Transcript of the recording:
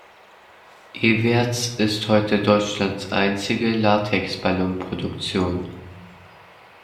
Everts ist heute Deutschlands einzige Latexballon-Produktion.